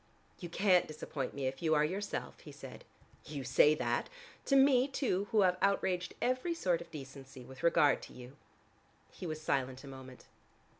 "You can't disappoint me if you are yourself," he said. "You say that! To me, too, who have outraged every sort of decency with regard to you?" He was silent a moment.